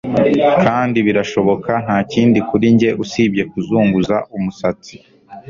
Kandi birashoboka ntakindi kuri njye usibye kuzunguza umusatsi